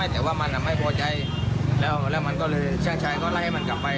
แต่ว่ามันไม่พอใจแล้วแล้วมันก็เลยช่างชายก็ไล่ให้มันกลับไป